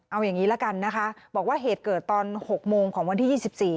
เอาอย่างงี้แล้วกันนะคะบอกว่าเหตุเกิดตอนหกโมงของวันที่ยี่สิบสี่